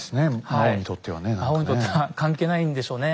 魔王にとっては関係ないんでしょうね。